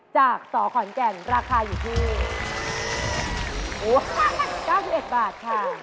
จากสขอนแก่นราคา๙๑บาท